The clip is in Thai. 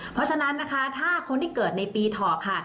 เพราะฉะนั้นนะคะถ้าคนที่เกิดในปีถอกค่ะ